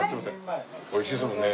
美味しいですもんね。